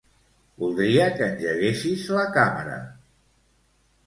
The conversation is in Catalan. Voldria que engeguessis la Càmera.